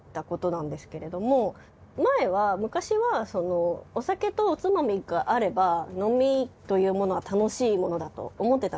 前は昔はそのお酒とおつまみがあれば飲みというものは楽しいものだと思ってた。